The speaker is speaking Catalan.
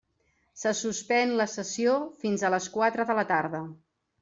Se suspèn la sessió fins a les quatre de la tarda.